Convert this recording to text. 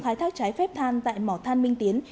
khai thác trái phép than tại mỏ than minh tiến